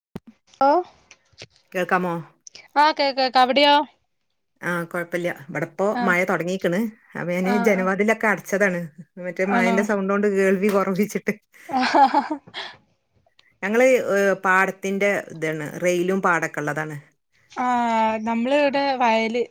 [unintelligible] കേൾക്കാമോ? ആഹ് കേൾക്കാം അവിടെയോ? ആഹ് കൊഴപ്പല്ല ഇവെടപ്പോ ആഹ് മഴ തുടങ്ങീക്ക്ണ്. അപ്പ ഞാന് ആഹ് ജന ആഹ് വാതിലൊക്കെ അടച്ചതാണ്. മറ്റെ ആണോ മഴയന്റെ സൗണ്ട് കൊണ്ട് കേൾവി കുറവിച്ചിട്ട്! [inaudible] ഞങ്ങള് പാടത്തിന്റെ ഇതെണ്. റെയിലും പാടൊക്കെ ഇള്ളതാണ്. ആഹ്. നമ്മള് ഇവിടെ വയല്.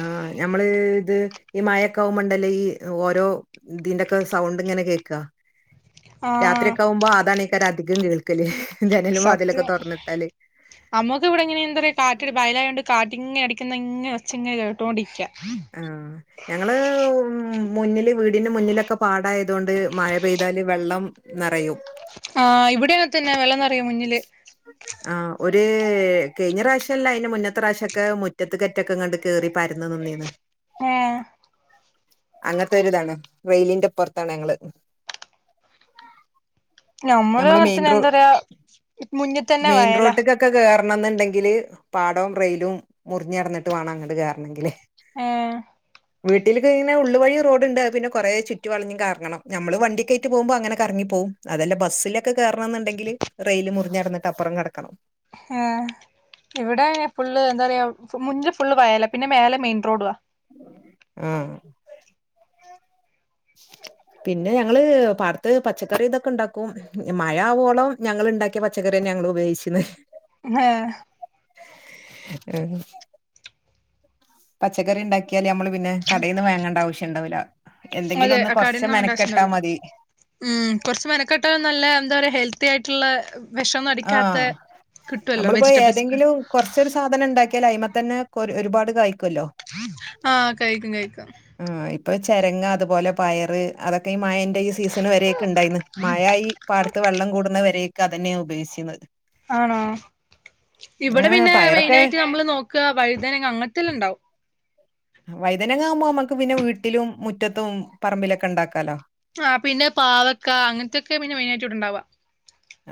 ആഹ്. ഞമ്മള് ഇത് ഈ മഴേക്കാവുമ്പോണ്ടല്ലൊ. ഈ ഓരോ ഇതിന്റെക്കെ സൗണ്ട് ഇങ്ങനെ കേക്ക. രാത്രി ആഹ് ഒക്കെ ആകുമ്പ അതാണേക്കാ രം അധികം കേൾക്കല്. ജനലും വാതിലൊക്കെ തൊറന്നിട്ടാല്. നമ്മക്ക് ഇവിടെ ഇങ്ങനെ എന്താ പറയാ കാറ്റ് ബയലായോണ്ട് കാറ്റിങ്ങനെ അടിക്കുന്ന ഇങ്ങ് ഒച്ച ഇങ്ങനെ കേട്ടോണ്ടിരിക്കാം. ആഹ്. ഞങ്ങള് ഉം. മുന്നില് വീടിന്റെ മുന്നിലൊക്കെ പാടായതൊണ്ട് മഴ പെയ്താല് വെള്ളം. നറയും. ആഹ് ഇവിടിം അങ്ങൻ തന്നെ വെള്ളം നെറയും മുന്നില്. ആഹ്. ഒരു കഴിഞ്ഞ പ്രാവശ്യല്ല അയ്ന്റെ മുന്നത്തെ പ്രാവശ്യം ഒക്കെ മുറ്റത്ത് ക റ്റൊക്കെ കണ്ട് കേറി പരന്ന് നിന്നീന്ന്. ഏഹ്. അങ്ങൻത്തെ ഒരിതാണ്. റെയിലിന്റെ ഇപ്പറ്ത്താണ് ഞങ്ങള്. ഞമ്മള് ഞമ്മളെ മെയിൻ അങ്ങൻതന്നെ റോ എന്താ പറയാ മുന്നിൽ തന്നെ വയലാ. ഒക്കെ കേറണം ഇന്ന്ണ്ടെങ്കില് പാടവും റെയിലും മുറിഞ്ഞ് കെടങ്ങിട്ട് വേണം അങ്ങട്ട് കേറണമെങ്കില്. ഏഹ്. വീട്ടിൽ കഴിയും. ഇങ്ങനെ ഉള്ളു വഴി റോഡ്ണ്ട്. അത് പിന്നെ കൊറെ ചുറ്റിവളഞ്ഞു കറങ്ങണം. നമ്മള് വണ്ടിക്കേയിട്ട് പോകുമ്പോ അങ്ങനെ കറങ്ങി പോകും. അതല്ല ബസ്സില്. കേറണന്നുണ്ടെങ്കില് റെയില് മുറിഞ്ഞു കടന്നിട്ട് അപ്പുറം കടക്കണം. ഏഹ്. ഇവിടെ ഫുള്ള് എന്ത പറയാ മുന്നില് ഫുള്ളു വയല. പിന്നെ മേലെ മെയിൻ റോഡ്വ. ആ പിന്നെ ഞങ്ങള് പാടത്ത് പച്ചക്കറി ഇതൊക്കെ ഇണ്ടാക്കും. മഴ ആവോളം ഞങ്ങള് ഇണ്ടാക്കിയ പച്ചക്കറി തന്ന്യെ ഞങ്ങള് ഉപയോഗിച്ചിന്നെ. ഏഹ്. ഉം. പച്ചക്കറി ഇണ്ടാക്ക്യാല് നമ്മള് പിന്നെ കടേന്ന് വാങ്ങേണ്ട ആവശ്യം ഇണ്ടാവുല. എന്തെങ്കിലും അതെ ഒന്ന് കൊറച്ച് കടേന്ന് വാങ്ങണ്ട മെനക്കെട്ടാ ആവശ്യണ്ടാവില്ല മതി. ഉം. കൊറ്ച്ച് മനക്കെട്ടാലും നല്ല എന്താ പറയാ ഹെൽത്തി ആയിട്ട്ള്ള വെഷൊന്നും അടിക്കാത്ത ആഹ് കിട്ട്വല്ലോ. വെജിറ്റബിൾസ് ഒക്കെ. കൊറ്ച്ചൊരു സാധനം ഇണ്ടാക്ക്യാലെ അയിമ തന്നെ ഒരുപാട് കായ്ക്കൊല്ലോ. ആഹ്. കായ്ക്കും കായ്ക്കും. ഉം. ഇപ്പൊ ചെരങ്ങ അതുപോലെ പയറ് അതൊക്കെ ഈ മയ ഈ സീസൺ വരെ ഒക്കെ ഉണ്ടായിന്ന്. മഴായി പാടത്ത് വെള്ളം കൂടുന്നവരേക്ക് അതന്നേണ് ഉപയോഗിച്ചീന്നത്. ആണൊ. ഇവിടെ ഏഹ് പിന്നെ പയറൊക്കെ മെയിനായിട്ട് നമ്മള് നോക്ക വഴുതന അങ്ങനത്തെല്ലാം ഉണ്ടാവും. വഴുതനങ്ങ ആകുമ്പം നമക്ക് പിന്നെ വീട്ടിലും മുറ്റത്തും പറമ്പിലൊക്കെ ഇണ്ടാക്കാലൊ. ആ പിന്നെ പാവക്ക അങ്ങൻത്തൊക്കെ പിന്നെ മെയിനായിട്ട് ഇണ്ടാവ.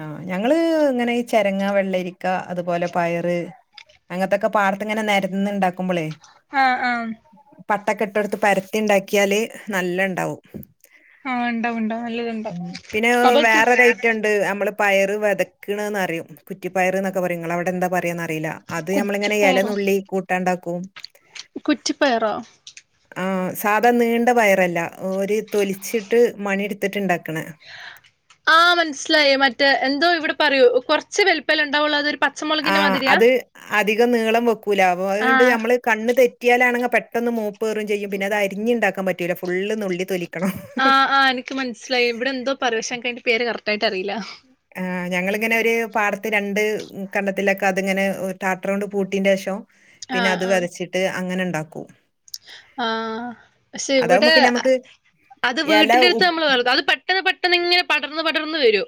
ആഹ്. ഞങ്ങള് ഇങ്ങനെ ഈ ചെരങ്ങ, വെള്ളരിക്ക അതുപോലെ പയറ്! അങ്ങൻത്തൊക്കെ പാടത്ത് ഇങ്ങനെ നെരന്ന് ഇണ്ടാക്കുമ്പളെ. ആഹ്. ആഹ്. പട്ടൊക്കെ ഇട്ടുകൊടുത്ത് പരത്തി ഇണ്ടാക്ക്യാല് നല്ല ഇണ്ടാവും. ആഹ് ഉണ്ടാ ഉണ്ടാ നല്ലതു ഉണ്ട [unintelligible] ട്ട് നമ്മള് പയറ് വതക്കണന്ന്റിയ കുറ്റി പയർ എന്നൊക്കെ പറയുംനിങ്ങളെ അവിടെന്താ പറയാ അ റില അത് നമ്മളിങ്ങനെ ഏല കുറ്റിപ്പയറോ നുള്ളി കൂട്ടാണ്ടാക്കും കുറ്റിപ്പയറോ ആ സാധാ നീണ്ട പയറല്ല ഒര് തൊലിച്ചിട്ട് മണിടുത്തിട്ട് ഇണ്ടാക്കണ ആഹ് മനസ്സിലായി മറ്റേ എന്തോ ഇവിടെ പറയൂ കുറച്ച് വലിപ്പ ഉണ്ടാവുള്ളൂ അതൊ ആഹ് അത് അധികം നീളം വെക്കൂല അപ്പ അതുകൊണ്ട് ആഹ് നമ്മള് കണ് തെറ്റിയാലാണെങ്കി പെട്ടന്ന് മൂപ്പ്റേറും ചെയും പിന്ന അത് അരിഞ്ഞഞ്ണ്ടാക്കാൻ പറ്റൂല ഫുള് നുള്ളിത്തോലി ആഹ് ആഹ് എനിക്ക് മനസ്സിലായി ഇവിടെ എന്തോ പറയാ ശേ അയിന്റെ പേര് കറക്റ്റ് ആയിട്ട് അറിയില്ല ആഹ് ഞങ്ങിങ്ങനെ ഒരു പാടത്ത് രണ്ട് കണ്ണത്തിലൊക്കെ അതിങ്ങനെ ടാടർ കൊണ്ട് പൂട്ടീന്റെശേഷം പിന്നെ ആഹ് അത് വതച്ചിട്ട് അങ്ങനെ ഇണ്ടാക്കൂ ആ പക്ഷെ ഇവിടെ നമുക്ക് അത് എല വീട്ടിന്റെ ഉ അടുത്ത് നമ്മൾ വേറ അത് പ പെട്ടെന്ന് പെട്ടെന്ന് ഇങ്ങനെ പടർന്ന് പടർന്ന് വരു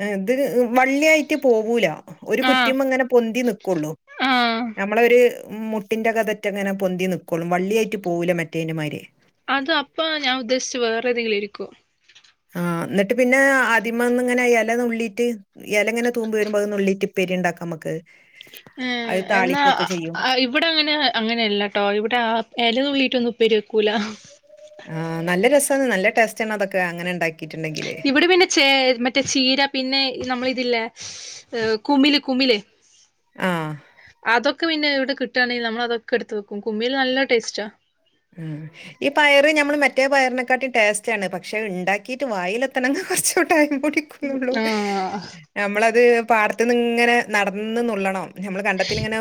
ഹേ ഇത് വള്ളിയായിട്ട് പോവൂല ഒരു ആഹ് കുറ്റിമ്മ ഇങ്ങനെ പൊന്തി നിക്കോള്ളൂ ആഹ് നമ്മളൊരു മുട്ടിൻ്റെ കതറ്റ അങ്ങനെ പൊന്തി നിൽക്കോളും വള്ളിയായിട്ട് പോകില്ല മറ്റേൻ്റെമാരെ അത് അപ്പ ഞാൻ ഉദ്ദേശിച്ചത് വേറെ ഏതെങ്കിലും ഇരിക്കോ ആഹ് ന്നിട്ട് പിന്നെ ആദ്യമന്ന് ഇങ്ങനെ ഏല നുള്ളീട്ട് ഇലങ്ങനെ തൂമ്പ് വരുമ്പോ അഹ്‌ നുള്ളിറ്റിപ്പേരിണ്ടാക്കാം നമുക്ക് ഏഹ് അത് എന്നാ താളിക്കൊക്കെ ചെയ്യും. ഇവിടെ അങ്ങനെ അങ്ങനെയല്ലാട്ടോ ഇവിടെ ആ ഇല നുള്ളിട്ടൊന്നും ഉപ്പര് വെക്കൂല ആഹ് നല്ല രസണ് നല്ല ടേസ്റ്റ് ആണ് അതൊക്കെ അങ്ങനെ ഇണ്ടാക്കിയിട്ടുണ്ടെങ്കില് ഇവിടെ പിന്നെ ചേ മറ്റേ ചീര പിന്നെ നമ്മള ഇതില്ല കുമില് കുമില് ആഹ് അതൊക്കെ പിന്നെവിടെ കിട്ടുകണെങ്കിൽ നമ്മളതൊക്കെ എടുത്ത് വെക്കും കുമിൽ നല്ല ടേസ്റ്റാ അഹ്‌ ഹേ ഈ പയറ് നമ്മൾ മറ്റേ പയറിനെക്കാട്ടും ടേസ്റ്റ് ആണ് പക്ഷെ ഇണ്ടാക്കിട്ട് വായില എത്തണെങ്കിൽ കുറച്ചൂടടൈ കൂടി ക്കുന്നുള്ളൂ ആഹ് നമ്മളത് പാടത്തു നിന്ന് ഇങ്ങനെ നടന്നന്നുള്ളണം നമ്മൾ കണ്ടത്തിൽ ഇങ്ങനെ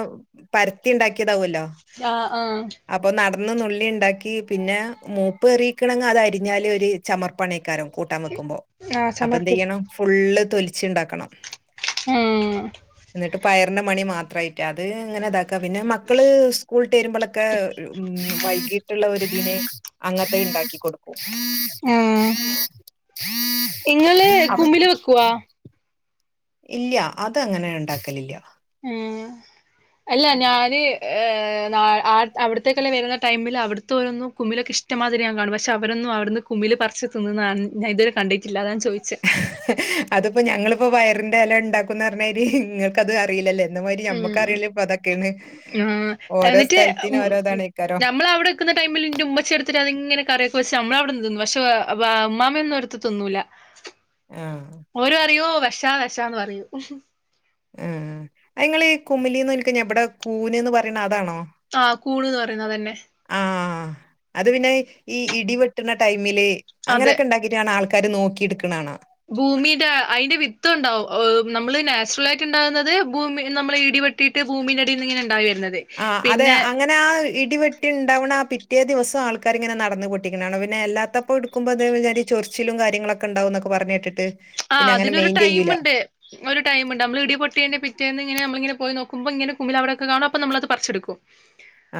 പരത്തി ഇണ്ടാക്കിയതാവൂല്ലോ ആഹ് ആഹ് അപ്പൊ നടന്ന് നു ള്ളി ഇണ്ടാക്കി പിന്നെ മൂപ്പ് എറിക്കണെങ്കിൽ അത് അരി ഞ്ഞാല് ഒര് ചമർപ്പണിയക്കാരം കൂട്ടാൻ വെക്കുമ്പോ ആഹ് അപ്പൊ എന്ത് സമർപ്പിച്ചു ചെയ്യണം ഫുള്ള് തൊലിച്ചി ഇണ്ടാക്കണം ഉം എന്നിട്ട് പയറിന്റെ മണി മാത്രയിട്ട അത് ഇങ്ങനെ ത ക്ക പിന്നെ മക്കള് സ്കൂളട്ടരുമ്പോളൊക്കെ ഉ വായി ട്ടുള്ള ഒരു ദിനെ അങ്ങനത്തെ ഇണ്ടാക്കി കൊടു ആഹ് ഇങ്ങള് അത് കുമ്പില് വെക്കുവാ ഇല്ല അത് അങ്ങനെ ഇണ്ടാക്കലില്ല ഉം അല്ല ഞാന്ന് [inaudible] [unintelligible] അവിടുക്കെ വരുന്ന ടൈമിൽ അവിടുത്തോരന്നും കുമിലൊക്കെ ഇഷ്ടമാതിരി ഞാ കാണും പക്ഷെ അവരൊന്നുംവിടുന്ന് കുമില് പറിച് നിന്ന്ണ് ഞാ ഇതുവരെ കണ്ടിട്ടില്ല അതാ ഞാൻ ചോയിച്ചേ അതിപ്പോ ഞങ്ങളിപ്പോ പയറിന്റെ ഏല ഇണ്ടാക്കുംന്ന് പറഞ്ഞല് നിങ്ങൾക്ക് അത് അറിയില്ലല്ലേ ന്ന മാരി ഉം ഞമ്മക്കറിയല് ഇപ്പൊ അതൊക്കെയാണ് ആഹ് ഓരോ സ്ഥലത്തിന ഓരോ ഇതാന്നെ ക്കാരോ ക്കുന്ന ടൈമിൽ ന്റെ ഉമ്മച്ചി എടുത്തിട്ട് അത് ഇങ്ങന കറിവെക്കും പക്ഷേ നമ്മള അവിടുന്ന് ന്നും പക്ഷ ഉമ്മമ ഒന്നുംടുത്ത് തിന്നൂല്ല ആഹ് ഓല് പറയൂ വെഷാ വെഷാന്ന് പറയൂ ആഹ് അത് നിങ്ങളീ കുമിലിന്ന്ക്കഞ്ഞ ഇവിടെ കൂന്ന്ന് പറയണ അതാണോ ആഹ് കൂണ്ന്ന് പറയുന്നതന്നെ ആഹ് അത് പിന്നെ ഈ ഇടി വെട്ടണ ടൈമില് അതെ അങ്ങനെയൊക്കെ ഉണ്ടാക്കിട്ടാണ് ആൾ ക്കാര് നോക്കിട്ക്ക്ണെ കാണാ ഭൂമിന്റെ അതിന്റെ വിത്ത് ഉണ്ടാവും നമ്മള് നാച്ചുറൽ ആയിട്ട് ഉണ്ടാവുന്നത് ഭൂമി നമ്മളെ ഇടിവെ ട്ടിട്ട് ഭൂമന്റെ അടിന്ന് ഇങ്ങനെ ഇണ്ടായി വരുന്നത് ആഹ് അതെ പിന്നെ അങ്ങൻ പിന്നെ ആഹ് ഇടിവെട്ടി ഉണ്ടാവണ ആഹ് പിറ്റേ ദിവസം ആൾക്കാര് ഇങ്ങനെ നടന്നു പൊട്ടിക്കണ കാണാം പിന്നെ അല്ലാത്തപ്പോ ക്കുമ്പ അത് ചൊറിച്ചിലും കാര്യങ്ങളൊക്കെണ്ടാവും ന്നക്കെ പറഞ്ഞേ കേട്ടിട്ട് ആഹ് പിന്നെ അങ്ങനെ അതിനൊരു മെയിൻ ചെയ്യൂല ടൈമ്ണ്ട് ഒരു ടൈം ഉണ്ട് നമ്മള് ഇടിപൊട്ടേന്റെ പിറ്റേന്ന് ഇങ്ങനെമ്മള് ഇങ്ങനെ പോയി നോക്കുമ്പോങ്ങനെ കുമിൽ അവിടെക്കെ കാണും അപ്പ നമ്മളത് പറിച്ച്ട്ക്കും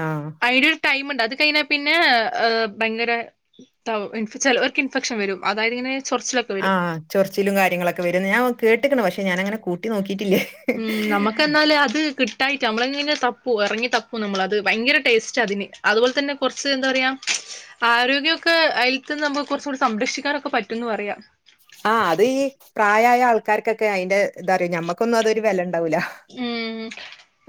ആഹ് അയിനൊരു ടൈമുണ്ട് അത് കഴിഞ്ഞാ പിന്നെ ങ് ഭയങ്കര ചെലോർക്ക് ഇൻഫെക്ഷൻ വരും അതായത് ഇങ്ങനെ ചൊറച്ചിലൊ ആഹ് ചൊറിച്ചിലും കാര്യങ്ങളൊക്കെ വരുന്ന് ഞാൻ കേട്ട്ക്ക്ണു പക്ഷെ ഞാനങ്ങനെ കൂട്ടി നോക്കിയിട്ടില്ലേ ഉം നമുക്കകന്നാല് അത് കി തായിട്ട് നമ്മളങ്ങനെ തപ്പും ഇറങ്ങി തപ്പും നമ്മൾ അത് ഭയങ്കര ടേസ്റ്റ അതിന് അതുപോലെ തന്നെ കൊറച്ച് എന്താ പറയാ ആരോഗ്യക്കെ അതിൽത്ത് നമുക്ക് കുറച്ച് കൂടി സംരക്ഷിക്കാനൊക്കെ പറ്റുംന്ന് പറയാം ആഹ് അത് ഈ പ്രായ ആയ ആൾക്കാർക്കൊക്കെ അയിന്റെ ഇതറിയു ഞമ്മക്കൊന്നും അതൊരു വിലണ്ടാവൂല ഉം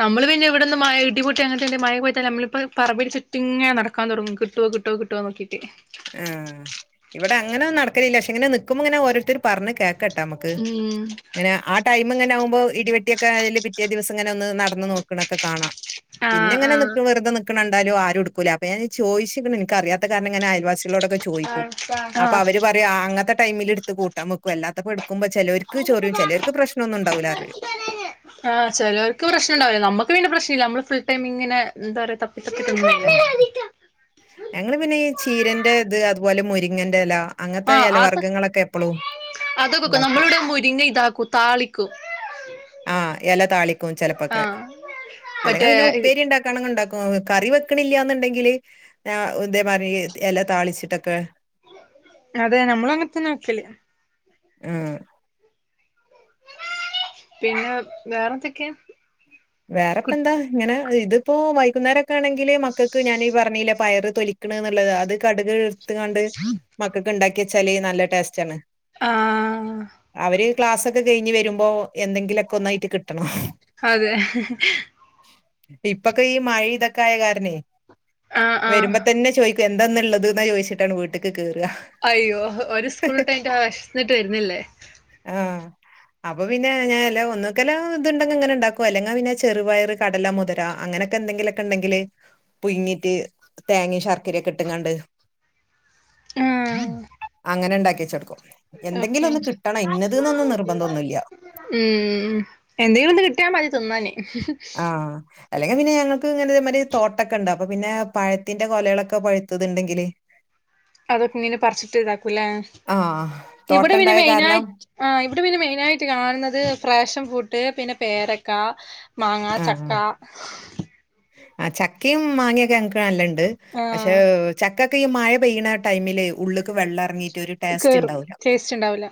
നമ്മള് പിന്നെ ഇവിടുന്ന് മഴ ഇടിപൊട്ടി അങ്ങനത്തെ മഴ പോത്താ നമ്മളിങ്ങനെ പറമ്പിന് ചുറ്റ്ങ്ങനെ നടക്കാൻ തുടങ്ങും കിട്ടോ കിട്ടോ കി ട്ടോ നോക്കിട്ട് ആ ഇവിടെ അങ്ങനൊന്നും നടക്കലില്ല പക്ഷെ ഇങ്ങനെ നിൽക്കുമ്പോ ഇങ്ങനെ ഓരോരുത്തര് പറഞ് കേ കേട്ട മ്മക്ക് ഉം അങ്ങനെ ആ ടൈമ് ഇങ്ങനെ ആകുമ്പോ ഇടിവെട്ടിയൊക്കെ അതില് പിറ്റേ ദിവസം അങ്ങനെ ഒന്ന് നടന്ന് നോക്കണൊക്കെ കാണാ ആഹ് പിന്നെങ്ങനെ നി ആഹ് വെറുതെ നി ണ കണ്ടാലും ആരും എടുക്കൂല അപ്പൊ ഞാന് ചോദിച്ചിക്ക്ണ് എനിക്കറിയാത്ത കാരണംങ്ങനെ അയൽവാസികളോടൊക്കെ ചോയിക്കും അപ്പ ആഹ് അവര് പറ അങ്ങൻത്തെ ടൈമില് എടുത്ത് കൂട്ടാൻ വെക്കും അല്ലാത്തപ്പോ എടുക്ക്പോ ചിലർക്ക് ചൊറിയും ചിലവർക്ക് പ്രശ്നംന്നും ഉണ്ടാവില്ല പറയും ആഹ് ചിലവർക്ക് പ്രശ്നം ഉണ്ടാവില്ല നമുക്ക് പിന്നെ പ്രശ്നം ഇല്ല നമ്മൾ ഫുൾ ടൈംങ്ങന എന്താ പറയാ തപ്പി തപ്പി തിന്നും ഉം ഞങ്ങള് പിന്നെ ഈ ചീരേന്റെ ഇത് അതുപോലെ മുരിങ്ങന്റെല ആഹ് അത് അതൊക്കെ നമ്മള് ഉണ്ടാക്കും ഇവിടെ മുരിങ്ങ ഇതാക്കും താളി ക്കും ആഹ് എല താളിക്കും ചെലപ്പോക്കെ അല്ലെങ്കി മറ്റേ പിന്നെ ഉപ്പേരി ഇണ്ട ക്കണ ഇണ്ടാക്കും കറി വെക്കണില്ലാന്നുണ്ടെങ്കില് ഞാ ഇതേ മാതിരി എല താളിച്ചിട്ടൊക്കെ അതെ നമ്മളങ്ങനത്തന്ന വെക്കല് ആഹ് പിന്നെ വേറെ എന്തൊക്കെ? വേറെപ്പെന്താ ഇങ്ങനെ ഇതിപ്പോ വൈകുന്നേരൊക്കെ ആണെങ്കില് മക്കൾക്ക് ഞാൻ ഈ പറഞ്ഞില്ലെ പയറ് തൊലിക്കണെന്നുള്ളത് അത് കട്ക് ത്ത്ങ്ങാണ്ട് മക്കക്ക് ഇണ്ടാക്കിച്ചാല് നല്ല ടേസ്റ്റണ് ആഹ് അവര് ക്ലാസ്സൊക്കെ കഴിഞ്ഞ് വരുമ്പോ എന്തെങ്കിലൊക്കെ ഒന്നായിട്ട് കിട്ടണം അതെ ഇപ്പക്കെ ഈ മഴി ഇതൊക്കെ ആയ കാരണേ ആഹ് ആഹ് വരുമ്പം തന്നെ ചോയ് എന്താന്ന്ള്ളത് എന്ന് ചോദിച്ചിട്ടാണ് വീട്ടിക്ക് കേറുക അയ്യോ ഓരു സ്കൂള്ട്ട് കഴിഞ്ഞിട്ട് വിശന്നിട്ട് വരുന്നല്ലേ ആഹ് അപ്പൊ പിന്നെ ഞാനല്ല ഒന്നക്കല്ല് ഇതുണ്ടങ്കി ഇങ്ങനെ ഉണ്ടാക്കും അല്ലെങ്കി അങ്ങന പിന്നെ ചെറുപയറ്, കടല, മുതിര അങ്ങനെയൊക്കെ എന്തെക്കിലൊക്കെ ഉണ്ടെങ്കില് പുഴുങ്ങിട്ട് തേങ്ങയും ശർക്കരയൊക്കെ ഇട്ടുങ്ങാണ്ട് ആഹ് അങ്ങനെ ഉണ്ടാക്കി വച്ചെടുക്കും എന്തെങ്കിലും ഓക്കെ ഒന്ന് കിട്ടണം ഇന്നത് ന്നൊന്നും നിർബന്ധം ഒന്നും ഇല്ല ഉം എന്തെങ്കിലും ഒന്ന് കിട്ടിയാ മതി തിന്നാന് ആഹ് അല്ലെങ്കിൽ പിന്നെ ഞങ്ങൾക്ക് ഇങ്ങനെ മറ്റെ തോട്ടൊക്കെ ഉണ്ട് അപ്പൊ പിന്നെ പഴത്തിന്റെ കൊലകളൊക്കെ പഴുത്തത് ഉണ്ടെങ്കില് അതൊക്കെ ഇങ്ങനെ പറിച്ചിട്ട് ഇതാക്കും അല്ലേ ആഹ് ഇവിടെ പിന്നെ തോട്ടണ്ടായ കാരണം മെയിനായിട്ട് ആഹ് ഇവിടെ പിന്നെ മെയിൻ ആയിട്ട് കാണുന്നത് ഫാഷൻ ഫ്രൂട്ട് പിന്നെ പേരക്ക മാങ്ങ, ആഹ് ചക്ക ആ ചക്കയും മാങ്ങയൊക്കെ ഞങ്ങക്ക് നല്ലണ്ട് ആ പക്ഷേ ചക്കൊക്കെ ഈ മഴ പെയ്യുന്ന ടൈമില് ഉള്ളിക്ക് വെള്ളം ഇറങ്ങിയിട്ട് ഒരു ടേസ്റ്റ് കേറും ഉണ്ടാവൂല ടേസ്റ്റ് ഉണ്ടാവില്ല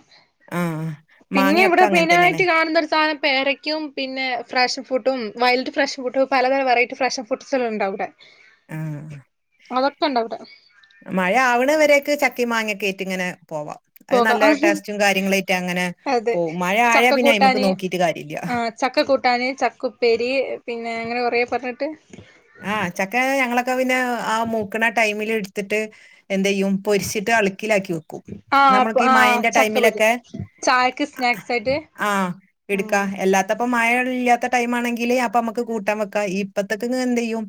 ആഹ് പിന്നെ ഇവിടെ മാങ്ങയൊക്കെ അങ്ങനെ തന്നെയാണ് മൈനായിട്ട് കാണുന്ന ഒരു സാധനം പേരെ ക്കും പിന്നെ ഫ്രെഷൻ ഫ്രൂട്ടും വൈലറ്റ് ക്കും ഫ്രെഷൻ ഫ്രൂട്ടും പലതരം വറൈറ്റി ഫ്രെഷൻ ഫ്രൂട്ട്സുകളും ഉണ്ടാവും ഇവിടെ ആഹ് അതൊക്കെ ഉണ്ട് ഇവിടെ മഴ ആവുന്നവരേക്ക് ചക്കി മാങ്ങൊകേറ്റ് ഇങ്ങനെ പോവാം അത് പോകാം നല്ല ടേസ്റ്റും കാര്യങ്ങളായിട്ട് അങ്ങനെ അതെ പോവും മഴ ആയാ പിന്നെ അയിമക്ക് നോക്കീട്ട് കാര്യല്ല ചക്കക്കൂട്ടാന് ചക്കുപ്പേരി പിന്നെ അങ്ങനെ കുറേ പറഞ്ഞിട്ട് ആഹ് ചക്ക ഞങ്ങളൊക്കെ പിന്നെ ആ മൂക്കണ ടൈമിൽ എടുത്തിട്ട് എന്തെയ്യും പൊരിച്ചിട്ട് അള്ക്കിലാക്കി വെക്കും ആ നമ്മൾക്ക് ഈ ആ മഴന്റെ ചക്കപൊരി ടൈമിലൊക്കെ ചായക്ക് സ്നാക്സ് ആയിട്ട് ആഹ് ഉം എടുക്കാ എല്ലാത്തപ്പ മഴ ഇല്ലാത്ത ടൈം ആണെങ്കില് അപ്പൊ നമ്മുക്ക് കൂട്ടാൻ വക്കാം ഈ ഇപ്പത്ത് എന്ത് ചെയ്യും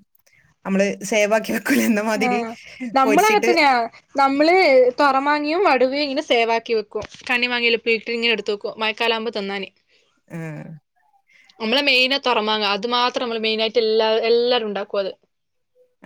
നമ്മള് സേവാക്കി വെക്കൂലെ എന്ന മാതിരി ആഹ് നമ്മളും പൊരിച്ചിട്ട് അങ്ങനെതന്നേയാണ് നമ്മള് തുറമാങ്ങയും വടുവയും ഇങ്ങനെ സേവാക്കി വെക്കും കണി മാങ്ങ ഉപ്പിലിട്ട് ഇങ്ങനെ എടുത്ത് വെക്കും മഴക്കാലാവുമ്പോ തിന്നാന് ആഹ് നമ്മളള് മെയിന് തുറമാങ്ങ അത് മാത്രം നമ്മള് മെയിനായിട്ട് എല്ലാ എല്ലാരും ഉണ്ടാക്കും അത്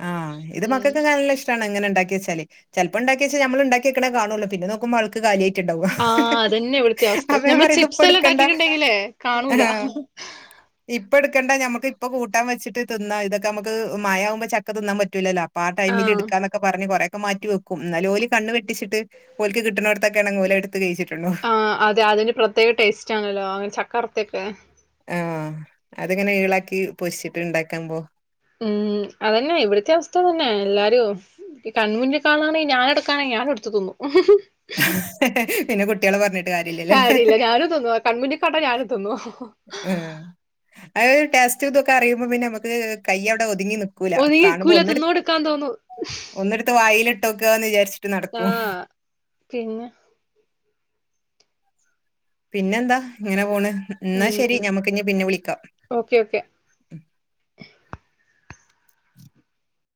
ആഹ് ഇത് ഉം മക്കക്കൊക്കെ നല്ല ഇഷ് ട്ടാണ് ഇങ്ങനെ ഉണ്ടാക്കി വെച്ചാലെ ചിലപ്പോ ഉണ്ടാക്കിച്ചാ നമ്മൾ ഉണ്ടാക്കിക്കണ കാണോള്ളൂ പിന്നെ നോക്കുമ്പോ അൾക്ക് കാലിയായിട്ടുണ്ടാവും ആഹ് അതന്നെ ഇവിടുത്തെ അവസ്ഥ അപ്പൊ ഞാൻ നമ്മള് പറയും ഇത് ഇപ്പൊ ചിപ്സ് എല്ലാം ഇടുക്കണ്ട ഉണ്ടാക്കിട്ടുണ്ടെങ്കിലേ കാണൂല ആഹ് [inaudible] ഇപ്പൊ എടുക്കണ്ടാ നമുക്ക് ഇപ്പൊ കൂട്ടാ വെച്ചിട്ട് തിന്നാം ഇതൊക്കെ നമുക്ക് മഴ ആകുമ്പോൾ ചക്ക തിന്നാൻ പറ്റൂല്ലല്ലോ അപ്പാ ടൈമിൽ ആഹ് എടുക്കാന അങ്ങനൊക്കെ പറഞ്ഞ് കുറേ ഒക്കെ മാറ്റി വെക്കും ന്നാൽ ഓൽ കണ്ണ് വെട്ടിച്ചിട്ട് ഓൽക്ക് കിട്ട്നൊട്ത്തൊക്കെണെങ്കിൽ ഓൽ എടുത്ത് കഴിച്ചിട്ടുണ്ടാവും ആഹ് അതെ അതിന് പ്രത്യേക ടേസ്റ്റ് ആണല്ലോ അങ്ങനെ ചക്ക വറത്തെ ഒക്കെ ആഹ് അതിങ്ങനെ ഇളക്കി പൊരിച്ചിട്ടുണ്ടാക്കുമ്പോ ഉം അതന്നെ ഇവിടത്തെ അവസ്ഥ അതന്നെ എല്ലാരും ഈ കൺമുന്നിൽ കാണാണെങ്കിൽ ഞാന് എടുക്കാണങ്കിൽ ഞാൻ എടുത്ത് തിന്നും പിന്നെ കുട്ടികളെ പറഞ്ഞിട്ട് കാര്യല്ലല്ലോ കാര്യല്ല ഞാനും തിന്നും കൺമുന്നി കണ്ട ഞാനും തിന്നും ഏ അത് ടേസ്റ്റ് ഇതൊക്കെ അറിയുമ്പം പിന്നെ നമ്മക്ക് കൈ അവ്ടെ ഒതുങ്ങി നി ക്കൂല കാണുമ്പോ ഒതുങ്ങിക്കൂല ഒന്ന് ഇട് തിന്നോടുക്കാൻ തോന്നും ഒന്ന് ഇട്ത്ത് വായിലിട്ടോക്കാന്ന് വിചാര്ച്ചിട്ട് നടക്കും ആഹ് പിന്നെ പിന്നെ എന്താ ഇങ്ങനെ പോണ് ന്നാ ശരി ഉം ഞമ്മക്കിഞ്ഞി പിന്നെ വിളിക്കാം ഓക്കെ ഓക്കെ